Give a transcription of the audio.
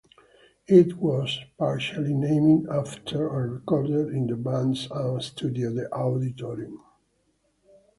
It was partially named after and recorded in the band's own studio, The Odditorium.